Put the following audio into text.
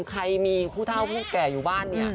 ใครมีผู้เท่าผู้แก่อยู่บ้านเนี่ย